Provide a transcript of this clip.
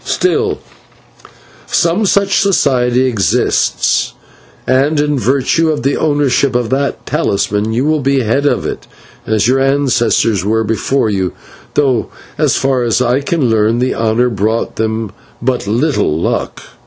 Still, some such society exists, and, in virtue of the ownership of that talisman, you will be head of it, as your ancestors were before you, though, so far as I can learn, the honour brought them but little luck.